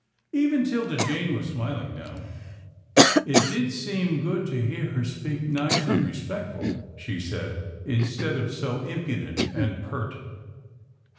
Even 'Tilda Jane was smiling now. " It did seem good to hear her speak nice and respectful," she said, " instead of so impudent and pert."